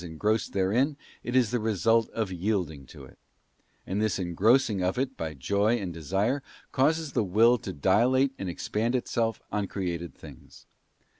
BooK engrossed therein it is the result of yielding to it; and this engrossing of it by joy and desire causes the will to dilate and expand itself on created things.